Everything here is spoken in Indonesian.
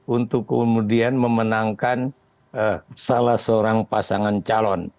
untuk kemudian memenangkan